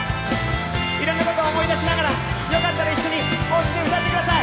いろんなことを思い出しながら、よかったら一緒におうちで歌ってください。